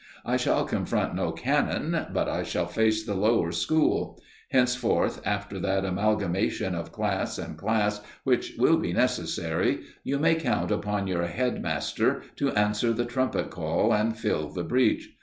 I shall confront no cannon, but I shall face the Lower School. Henceforth, after that amalgamation of class and class which will be necessary, you may count upon your head master to answer the trumpet call and fill the breach.